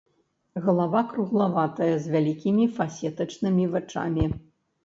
Галава круглаватая з вялікімі фасетачнымі вачамі.